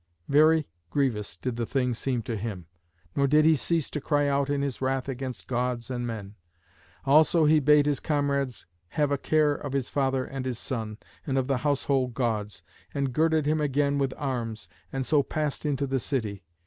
Very grievous did the thing seem to him, nor did he cease to cry out in his wrath against Gods and men. Also he bade his comrades have a care of his father and his son, and of the household Gods, and girded him again with arms, and so passed into the city.